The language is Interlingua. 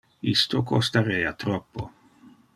Isto costarea troppo.